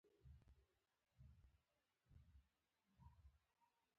ایا خندا زما لپاره ښه ده؟